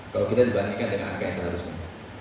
kalau kita dibandingkan dengan angka yang seharusnya